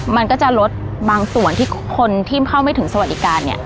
มันก็จะลดบางส่วนที่คนที่เข้าไม่ถึงสวัสดิการเนี่ย